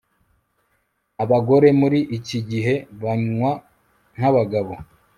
Abagore muri iki gihe banywa nkabagabo